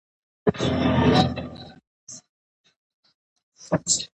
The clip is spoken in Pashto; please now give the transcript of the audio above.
هغې د کورني چاپیریال د روغتیا لپاره د بوټو کرنې پام ساتي.